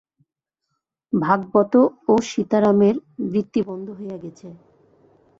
ভাগবত ও সীতারামের বৃত্তি বন্ধ হইয়া গেছে!